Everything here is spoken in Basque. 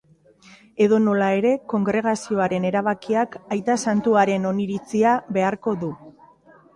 Edonola ere, kongregazioaren erabakiak aita santuaren oniritzia beharko du.